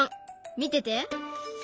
見てて。